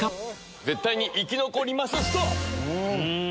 絶対に生き残りますストップ。